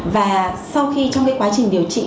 và sau khi trong cái quá trình điều trị